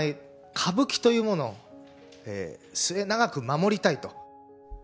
歌舞伎というものを末永く守りたいと。